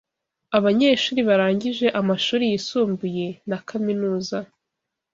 Abanyeshuri barangije amashuri yisumbuye na kaminuza